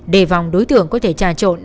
để vòng đối tượng có thể trà trộn